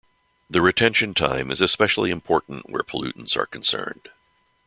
The retention time is especially important where pollutants are concerned.